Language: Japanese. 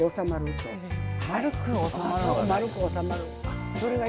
そう丸く収まる。